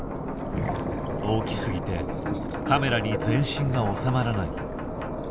大きすぎてカメラに全身が収まらない。